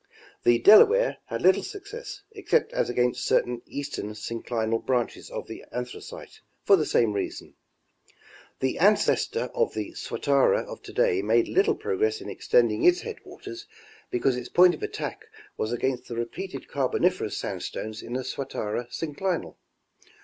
The Delaware had little success, except as against certain eastern synclinal branches of the Anthracite, for the same reason. The ancestor of the Swatara of to day made little progress in extending its headwaters because its point of attack was against the repeated Carboniferous sandstones in the Swatara synclinal.